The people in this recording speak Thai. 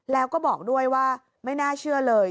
แล้วก็บอกด้วยว่าไม่น่าเชื่อเลย